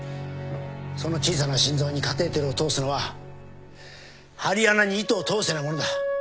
その小さな心臓にカテーテルを通すのは針穴に糸を通すようなものだ。